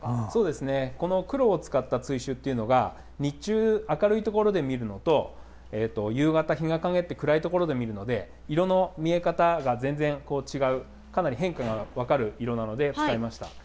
そうですね、この黒を使った堆朱っていうのが、日中、明るい所で見るのと、夕方、日が陰って暗い所で見るので、色の見え方が全然違う、かなり変化が分かる色なので使いました。